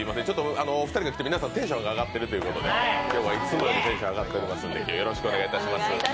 お二人が来て皆さんテンションが上がっているということなので今日はいつもよりテンションが上がっています。